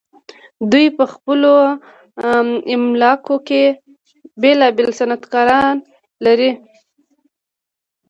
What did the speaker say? دوی په خپلو املاکو کې بیلابیل صنعتکاران لرل.